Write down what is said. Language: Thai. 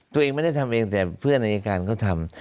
ตัวเองไม่ได้ทำเองแต่เพื่อนอายการก็ทำ